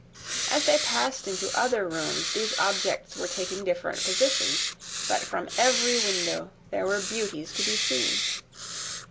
As they passed into other rooms, these objects were taking different positions; but from every window there were beauties to be seen.